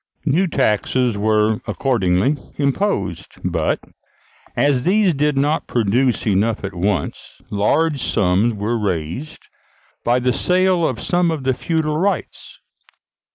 New taxes were accordingly imposed; but, as these did not produce enough at once, large sums were raised by the sale of some of the feudal rights.